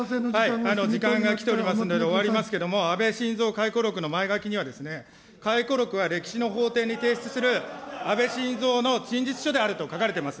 時間が来ておりますので、終わりますけれども、安倍晋三回顧録の前書きには、回顧録は歴史の法廷に提出する安倍晋三の陳述書であると書かれてます。